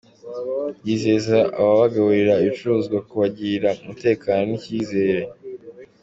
Yizeza ababagurira ibicuruzwa kubagirira umutekano n’icyizere.